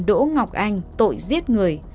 đỗ ngọc anh tội giết người